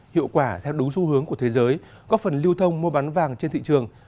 hiệu quả theo đúng xu hướng của thế giới có phần lưu thông mua bán vàng trên thị trường